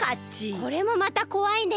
これもまたこわいね。